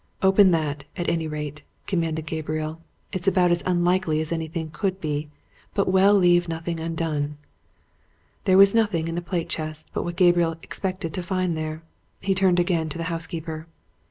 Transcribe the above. "Open that, at any rate," commanded Gabriel. "It's about as unlikely as anything could be, but we'll leave nothing undone." There was nothing in the plate chest but what Gabriel expected to find there. He turned again to the housekeeper.